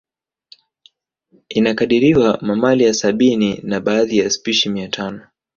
Inakadiriwa mamalia sabini na baadhi ya spishi mia tano